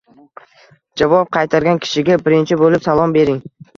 Javob qaytargan kishiga birinchi bo‘lib salom bering.